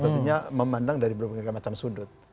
tentunya memandang dari berbagai macam sudut